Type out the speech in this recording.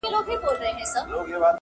زرافه چي په هر ځای کي وه ولاړه؛